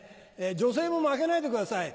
女性も負けないでください。